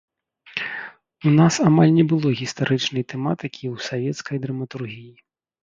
У нас амаль не было гістарычнай тэматыкі ў савецкай драматургіі.